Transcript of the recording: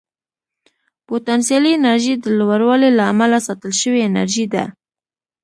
پوتنسیالي انرژي د لوړوالي له امله ساتل شوې انرژي ده.